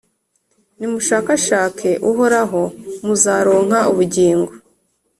Nimushakashake Uhoraho, muzaronka ubugingo.